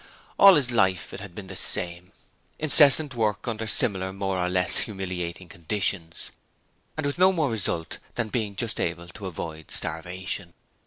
All his life it had been the same: incessant work under similar more or less humiliating conditions, and with no more result than being just able to avoid starvation.